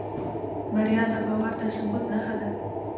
بریا د باور د ثبوت نښه ده.